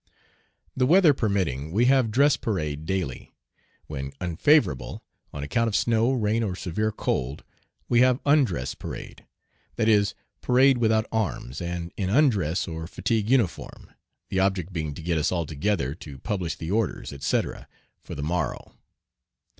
The weather permitting, we have "dress parade" daily. When unfavorable, on account of snow, rain, or severe cold, we have "undress parade" that is, parade without arms and in undress or fatigue uniform, the object being to get us all together to publish the orders, etc., for the morrow.